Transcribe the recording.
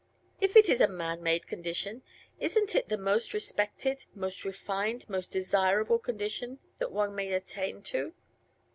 "If it is a 'man made condition' isn't it the most respected, most refined, most desirable condition that one may attain to?"